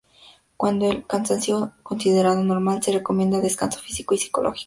Cuando es un cansancio considerado "normal", se recomienda descanso físico y psicológico.